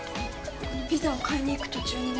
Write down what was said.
ピザを買いに行く途中にね